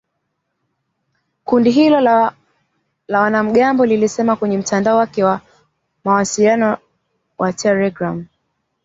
Kundi hilo la wanamgambo lilisema kwenye mtandao wake wa mawasiliano wa telegramu.